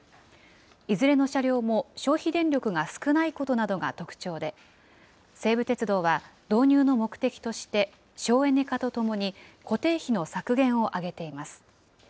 いずれの車両も、消費電力が少ないことなどが特徴で、西武鉄道は、導入の目的として省エネ化とともに固定費の削減を挙げています。